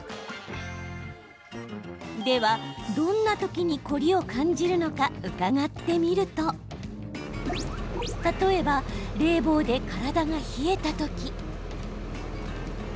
では、どんな時に凝りを感じるのか伺ってみると例えば、冷房で体が冷えた時。